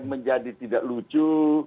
menjadi tidak lucu